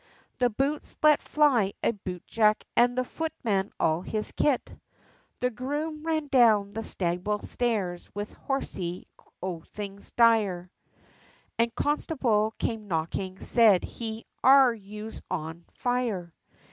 The boots let fly a bootjack, and the footman all his kit! The groom ran down the stable stairs with horsey oathings dire, And a constable came knocking said he "are you's on fire?"